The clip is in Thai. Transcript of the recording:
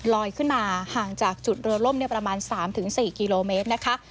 ขึ้นมาห่างจากจุดเรือล่มประมาณ๓๔กิโลเมตรนะคะ